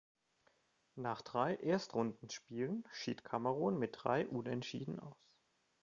Nach drei Erstrundenspielen schied Kamerun mit drei Unentschieden aus.